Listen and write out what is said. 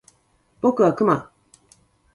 僕はクマ